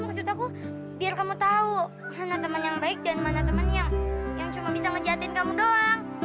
maksud aku biar kamu tahu mana teman yang baik dan mana teman yang cuma bisa ngejahatin kamu doang